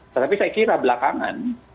tetapi saya kira belakangan